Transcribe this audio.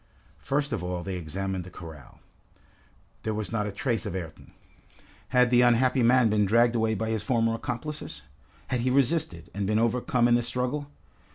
First of all they examined the corral. There was not a trace of Ayrton. Had the unhappy man been dragged away by his former accomplices? Had he resisted, and been overcome in the struggle?